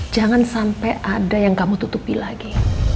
jangan sampai ada yang kamu tutupi lagi